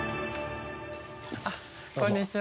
あっこんにちは。